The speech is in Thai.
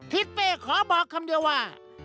ทิศเป้ขอบอกคำเดียวว่า